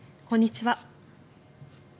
こんにちは。